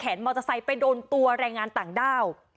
มอเตอร์ไซค์ไปโดนตัวแรงงานต่างด้าว